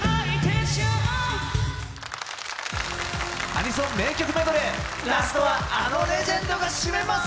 アニソン名曲メドレーラストはあのレジェンドがしめます。